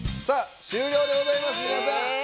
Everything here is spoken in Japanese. さあ終了でございますみなさん。